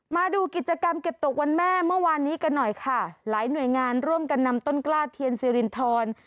มาดูกิจกรรมเก็บตกวันแม่เมื่อวานนี้กันหน่อยค่ะหลายหน่วยงานร่วมกันนำต้นกล้าเทียนสิรินทร